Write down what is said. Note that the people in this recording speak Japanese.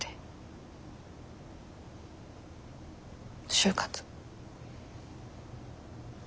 就活。